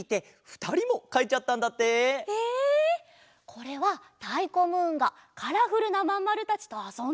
これはたいこムーンがカラフルなまんまるたちとあそんでいるところかな？